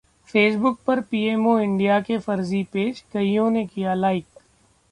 Facebook पर PMO India के फर्जी पेज, कइयों ने किया लाइक